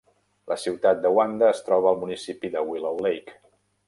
La ciutat de Wanda es troba al municipi de Willow Lake.